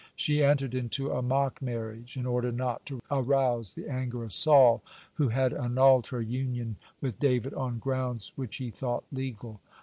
She entered into a mock marriage in order not to arouse the anger of Saul, who had annulled her union with David on grounds which he thought legal.